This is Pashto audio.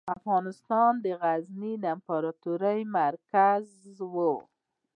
افغانستان د غزني امپراتورۍ مرکز و.